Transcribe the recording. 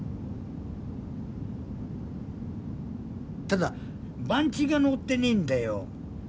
ただ番地が載ってねえんだよ。